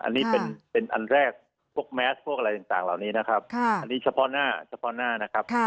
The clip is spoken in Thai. อันนี้เป็นอันแรกพวกแมสพวกอะไรต่างเหล่านี้นะครับอันนี้เฉพาะหน้าเฉพาะหน้านะครับ